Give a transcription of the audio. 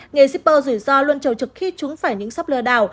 nghề zipper rủi ro luôn trầu trực khi chúng phải những shop lừa đảo